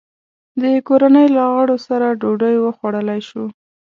د کورنۍ له غړو سره ډوډۍ وخوړلای شو.